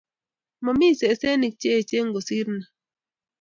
Momi sesenik che eechen kosir ni